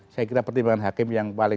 saya kira pertimbangan hakim yang paling